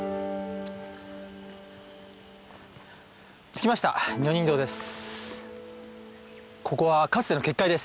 着きました女人堂です。